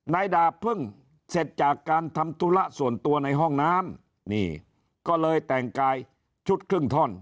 นายดาบเพิ่งเสร็จจากการทำธุระส่วนตัวในห้องน้ำนี่ก็เลยแต่งกายชุดครึ่งท่อน